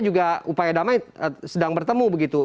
juga upaya damai sedang bertemu begitu